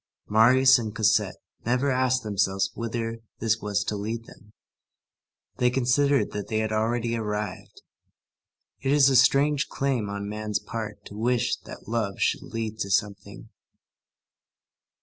Marius and Cosette never asked themselves whither this was to lead them. They considered that they had already arrived. It is a strange claim on man's part to wish that love should lead to something.